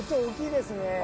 大きいですね。